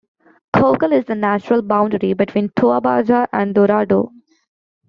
Cocal is the natural boundary between Toa Baja and Dorado.